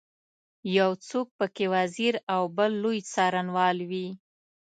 یو څوک په کې وزیر او بل لوی څارنوال وي.